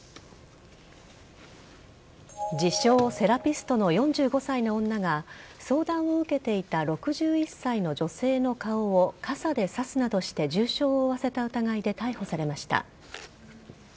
自称・セラピストの４５歳の女が相談を受けていた６１歳の女性の顔を傘で刺すなどして重傷を負わせた疑いで逮捕されました。